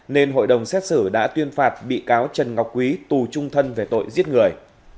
nên hội đồng xét xử đã tuyên phạt bị cáo trần ngọc quý tù trung thân về tội giết người